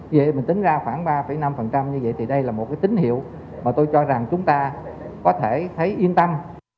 như vậy mình tính ra khoảng ba năm như vậy thì đây là một cái tín hiệu mà tôi cho rằng chúng ta có thể thấy yên tâm